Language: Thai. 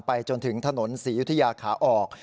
จนถึงถนนศรียุธยาขาออก